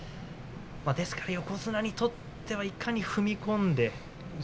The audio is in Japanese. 横綱にとっては、いかに踏み込んで。